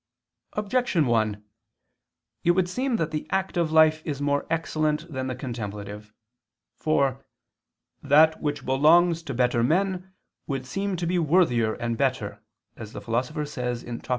Objection 1: It would seem that the active life is more excellent than the contemplative. For "that which belongs to better men would seem to be worthier and better," as the Philosopher says (Top.